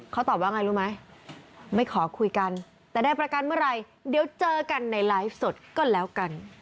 เขาตอบว่าไงรู้ไหมไม่ขอคุยกันแต่ได้ประกันเมื่อไหร่เดี๋ยวเจอกันในไลฟ์สดก็แล้วกัน